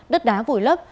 đất đá vùi lấp